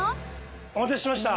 お待たせしました。